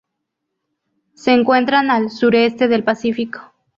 Se encuentran al sureste del Pacífico.